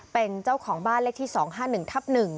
เป็นเจ้าของบ้านเลขที่๒๕๑ทับ๑